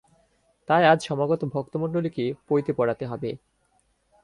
তাই আজ সমাগত ভক্তমণ্ডলীকে পৈতে পরাতে হবে।